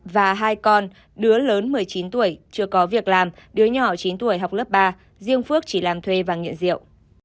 và hai con đứa lớn một mươi chín tuổi chưa có việc làm đứa nhỏ chín tuổi học lớp ba riêng phước chỉ làm thuê và nghiện rượu